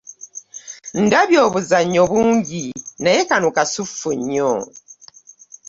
Ndabye obuzannyo bungi naye kano kasuffu nnyo.